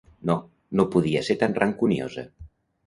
No, no podia ser tan rancuniosa.